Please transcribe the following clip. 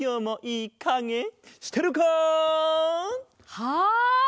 はい！